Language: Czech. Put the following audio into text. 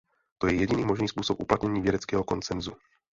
To je jediný možný způsob uplatnění vědeckého konsenzu.